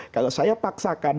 kalau saya paksakan